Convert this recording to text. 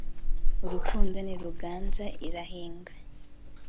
urukundo ntiruganza; irahinga